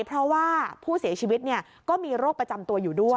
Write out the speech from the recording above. เพราะว่าผู้เสียชีวิตก็มีโรคประจำตัวอยู่ด้วย